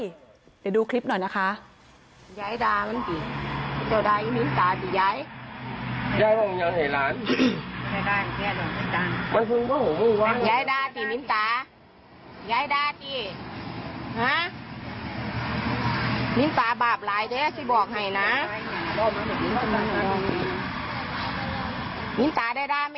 เดี๋ยวดูคลิปหน่อยนะคะ